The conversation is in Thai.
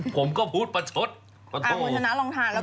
ผมก็พูดปลาชดปลา้วตู้พูดเอาอ่ะฮัวสนาลองทาน